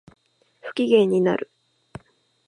不機嫌になる